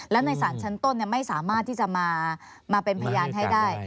แล้วในสารชั้นต้นไม่สามารถที่จะมาเป็นพยานให้ได้